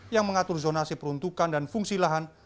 yang mengatur zonasi peruntukan dan fungsi lahan